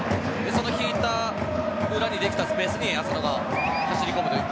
その引いた裏にできたスペースに浅野が走り込むという。